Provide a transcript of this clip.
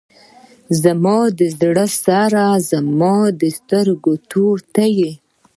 زما د زړه سره زما د سترګو توره ته یې.